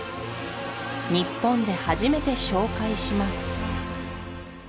日本で初めて紹介します